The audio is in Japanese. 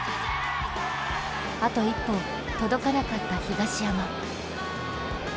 あと一歩、届かなかった東山。